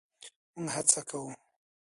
مونږ هڅه کوو